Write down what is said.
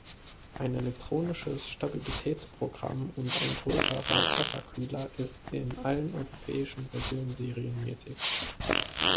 Ein elektronisches Stabilitätsprogramm und ein größerer Wasserkühler ist in allen europäischen Versionen serienmäßig.